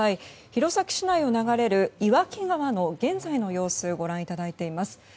弘前市内を流れる岩木川の現在の様子ご覧いただいています。